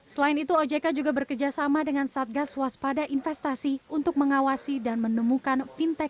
selain itu ojk juga bekerjasama dengan satgas waspada investasi untuk mengawasi dan menemukan fintech